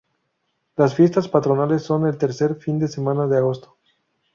Las fiestas patronales son el tercer fin de semana de Agosto.